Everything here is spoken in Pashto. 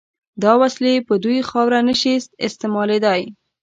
دا وسلې په دوی خاوره نشي استعمالېدای.